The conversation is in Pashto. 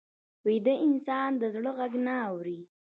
ویده انسان د زړه غږ نه اوري